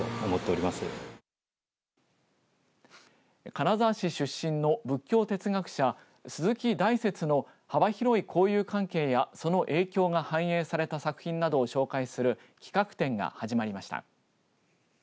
金沢市出身の仏教哲学者鈴木大拙の幅広い交友関係やその影響が反映された作品などを紹介する企画展が始まりました。